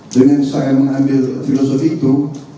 dengan saya mengambil filosofi itu